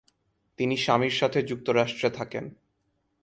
তিনি স্বামীর সাথে যুক্তরাষ্ট্রে থাকেন।